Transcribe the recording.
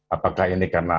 apakah ini karena